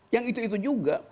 yang itu itu juga